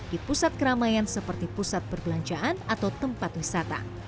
di pusat keramaian seperti pusat perbelanjaan atau tempat wisata